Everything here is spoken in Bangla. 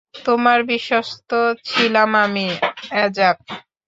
তোমার বিশ্বস্ত ছিলাম আমি, অ্যাজাক।